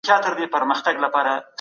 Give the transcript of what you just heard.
جګړه او وچکالي په ورته وخت کي راغلل.